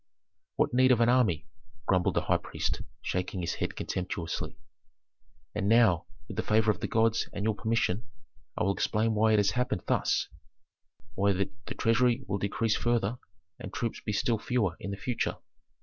"What need of an army?" grumbled the high priest, shaking his head contemptuously. "And now, with the favor of the gods and your permission, I will explain why it has happened thus, why the treasury will decrease further, and troops be still fewer in the future."